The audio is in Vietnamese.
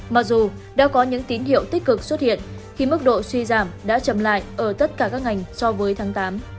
mặc dù đã có những tín hiệu tích cực xuất hiện khi mức độ suy giảm đã chậm lại ở tất cả các ngành so với tháng tám